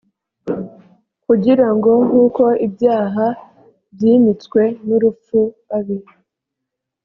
kugira ngo nk uko ibyaha byimitswe n urupfu abe